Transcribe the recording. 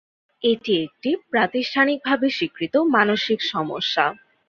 এটি একটি প্রাতিষ্ঠানিকভাবে স্বীকৃত মানসিক সমস্যা।